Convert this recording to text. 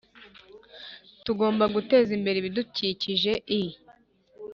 Tugomba guteza imbere ibidukikije i